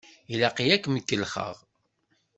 Ilaq-iyi ad kem-kellexeɣ!